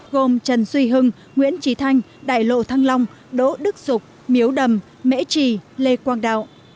gồm trần duy hưng nguyễn trí thanh đại lộ thăng long đỗ đức dục miếu đầm mễ trì lê quang đạo